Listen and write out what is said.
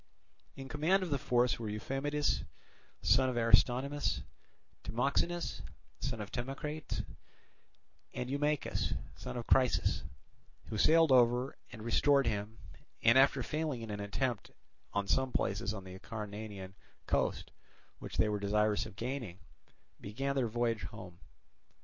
In command of the force were Euphamidas, son of Aristonymus, Timoxenus, son of Timocrates, and Eumachus, son of Chrysis, who sailed over and restored him and, after failing in an attempt on some places on the Acarnanian coast which they were desirous of gaining, began their voyage home.